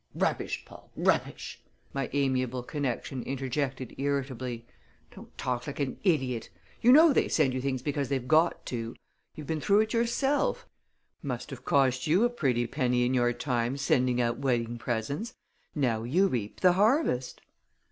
"Rubbish, Paul! Rubbish!" my amiable connection interjected irritably. "Don't talk like an idiot! You know they send you things because they've got to. You've been through it yourself. Must have cost you a pretty penny in your time sending out wedding presents! Now you reap the harvest."